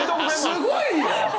すごいよ！